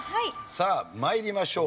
さあ参りましょう。